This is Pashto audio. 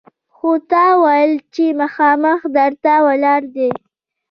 خو تا ویل چې مخامخ در ته ولاړ دی!